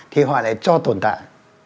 thì họ lại cho tồn tại